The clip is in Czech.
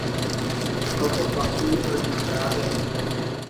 Proto hlasuji proti zprávě.